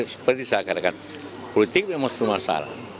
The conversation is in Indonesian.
seperti saya katakan politik memang itu masalah